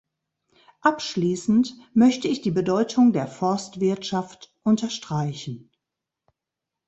Abschließend möchte ich die Bedeutung der Forstwirtschaft unterstreichen.